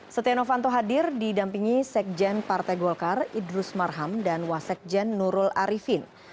setia novanto hadir didampingi sekjen partai golkar idrus marham dan wasekjen nurul arifin